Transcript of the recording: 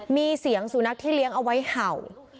มีเสียงสุนัขที่เลี้ยงเอาไว้เห่า